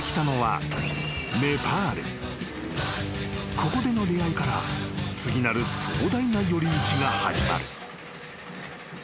［ここでの出会いから次なる壮大な寄り道が始まる］